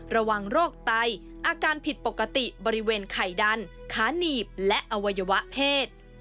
ระวังโรคไตอาการผิดปกติบริเวณไข่ดันขาหนีบและอวัยวะเพศ